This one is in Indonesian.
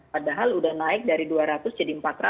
padahal sudah naik dari dua ratus jadi